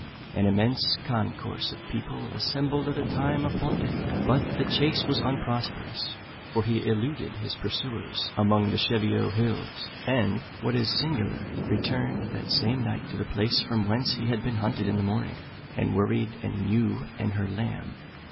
An immense concourse of people assembled at the time appointed, but the chase was unprosperous; for he eluded his pursuers among the Cheviot Hills, and, what is singular, returned that same night to the place from whence he had been hunted in the morning, and worried an ewe and her lamb.